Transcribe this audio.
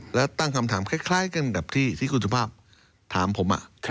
แล้วตั้งคำถามคล้ายกันแบบที่คุณสุภาพถามผม